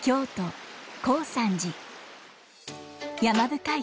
山深い